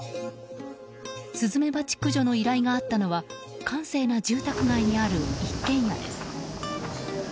スズメバチ駆除の依頼があったのは閑静な住宅街にある一軒家です。